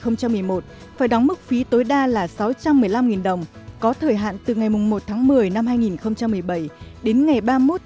phải đóng mức phí tối đa là sáu trăm một mươi năm đồng có thời hạn từ ngày một một mươi hai nghìn một mươi bảy đến ngày ba mươi một một mươi hai hai nghìn một mươi tám